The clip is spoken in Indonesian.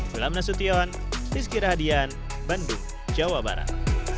selamat datang di suki radian bandung jawa barat